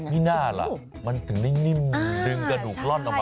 มีหน้าล่ะมันถึงได้นิ่มดึงกระดูกร่อนออกมา